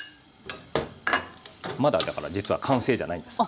まだだから実は完成じゃないんです。